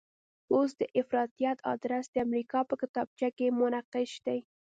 اوس د افراطیت ادرس د امریکا په کتابچه کې منقش دی.